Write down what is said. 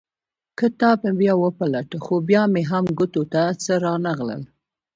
کتاب مې بیا وپلټه خو بیا مې هم ګوتو ته څه رانه غلل.